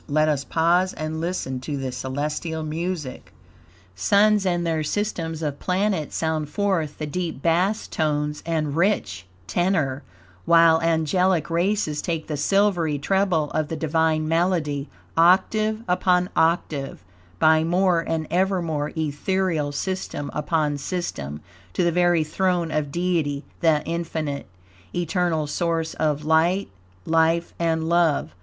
Let us pause and listen to this celestial music. Suns and their systems of planets sound forth the deep bass tones and rich tenor, while angelic races take the silvery treble of the Divine melody, octave upon octave, by more and ever more ethereal system upon system, to the very throne of Deity the Infinite, Eternal source of Light, Life and Love.